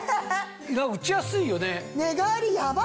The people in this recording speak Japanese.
うちやすいよね。